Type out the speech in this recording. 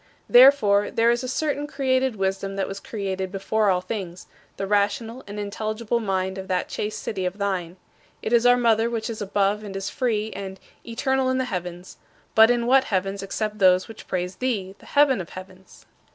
" Therefore, there is a certain created wisdom that was created before all things: the rational and intelligible mind of that chaste city of thine. It is our mother which is above and is free and "eternal in the heavens" but in what heavens except those which praise thee, the "heaven of heavens"?